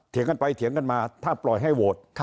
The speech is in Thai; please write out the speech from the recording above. กันไปเถียงกันมาถ้าปล่อยให้โหวต